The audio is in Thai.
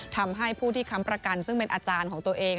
ทำให้ผู้ที่ค้ำประกันซึ่งเป็นอาจารย์ของตัวเอง